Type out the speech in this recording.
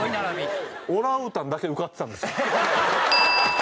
オランウータンだけ受かってたんですよ。